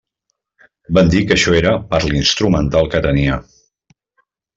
Van dir que això era per l'instrumental que tenia.